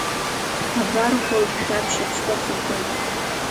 Абар хәылԥ-шәаԥшь аԥштәы ахыггоит…